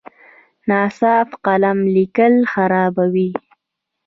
ناصاف قلم لیکل خرابوي.